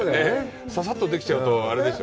ささっとできちゃうとあれですよ。